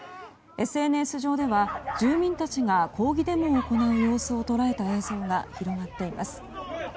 ＳＮＳ上では、住民たちが抗議デモを行う様子を捉えた映像が広まっています。